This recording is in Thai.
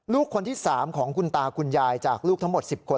ลูกคนที่๓ของคุณตาคุณยายจากลูกทั้งหมด๑๐คน